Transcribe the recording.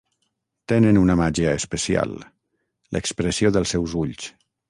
Tenen una màgia especial... l'expressió dels seus ulls.